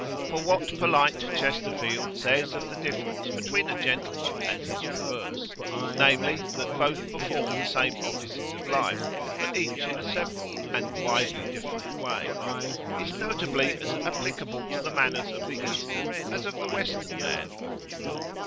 For what polite Chesterfield says of the difference between a gentleman and his reverse namely, that both perform the same offices of life, but each in a several and widely different way is notably as applicable to the manners of the Eastern as of the Western man.